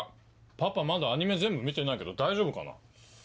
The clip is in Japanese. パパまだアニメ全部見てないけど大丈夫かな？